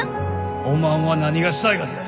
おまんは何がしたいがぜ？